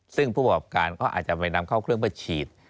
ซึ่งผู้ประกอบการเขาอาจจะไปนำเข้าเครื่องเพื่อฉีด